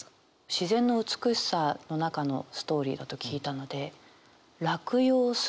自然の美しさの中のストーリーだと聞いたので落葉するように。